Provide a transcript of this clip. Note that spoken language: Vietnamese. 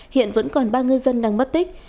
hiện vẫn còn ba ngư dân đang mất tích